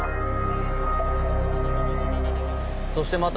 そしてまたね